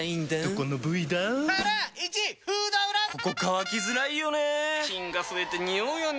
ここ乾きづらいよね。